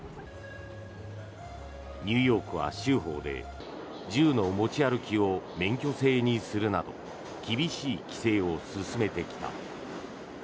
ニューヨークは州法で銃の持ち歩きを免許制にするなど厳しい規制を進めてきた。